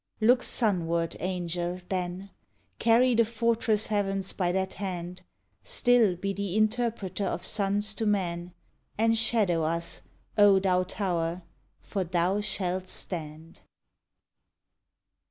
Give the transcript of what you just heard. Look sunward, Angel, then! Carry the fortress heavens by that hand; Still be the interpreter of suns to men; And shadow us, O thou Tower! for thou shalt stand.